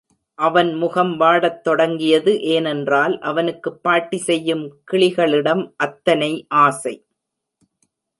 அவன் முகம் வாடத் தொடங்கியது ஏனென்றால், அவனுக்குப் பாட்டி செய்யும் கிளிகளிடம் அத்தனை ஆசை.